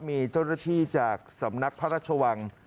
มีเจ้าหน้าที่จากสำนักพระราชวัง